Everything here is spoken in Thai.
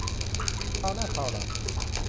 คราวหน้าคราวหลัง